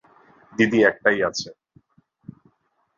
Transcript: দিদি একটাই আছে।